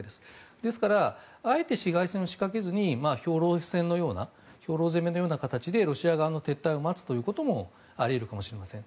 ですからあえて市街戦を仕掛けずに兵糧攻めのような形でロシア側の撤退を待つということもあり得るかもしれません。